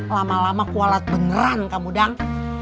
lama lama kualat beneran kamu dong